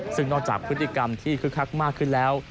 ซึ่งนอกจากพฤติกรรมที่คึกคักมากขึ้นแล้ว